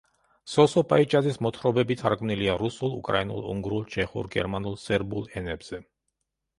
სოსო პაიჭაძის მოთხრობები თარგმნილია რუსულ, უკრაინულ, უნგრულ, ჩეხურ, გერმანულ, სერბულ ენებზე.